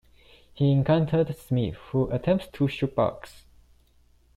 He encounters Smith, who attempts to shoot Bugs.